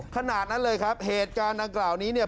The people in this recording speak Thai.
ขนาดนั้นเลยครับเหตุการณ์ดังกล่าวนี้เนี่ย